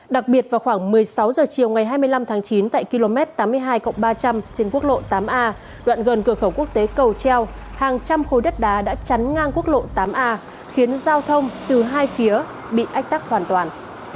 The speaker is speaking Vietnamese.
đặc biệt vào khoảng một mươi sáu h chiều ngày hai mươi năm tháng chín tại km tám mươi hai ba trăm linh trên quốc lộ tám a đoạn gần cửa khẩu quốc tế cầu treo hàng trăm khối đất đá đã chắn ngang quốc lộ tám a khiến giao thông từ hai phía bị ách tắc hoàn toàn